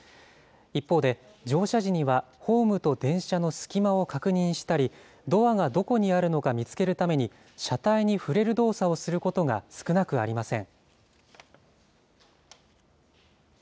一方で、乗車時にはホームと電車の隙間を確認したり、ドアがどこにあるのか見つけるために、車体に触れる動作をすることが少なくありません。